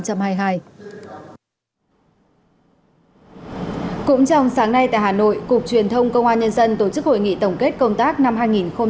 cũng trong sáng nay tại hà nội cục truyền thông công an nhân dân tổ chức hội nghị tổng kết công tác năm hai nghìn hai mươi ba